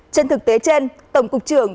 trên thực tế trên tổng cục trưởng